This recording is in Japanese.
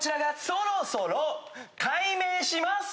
そろそろ改名します！